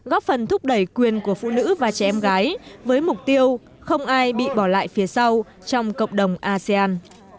góp phần thúc đẩy quyền của phụ nữ và trẻ em gái với mục tiêu không ai bị bỏ lại phía sau trong cộng đồng asean